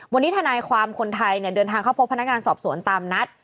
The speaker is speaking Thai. วันนี้ทนายความคนไทยเนี่ยเดินทางเข้าพบพนักงานสอบสวนตามนัด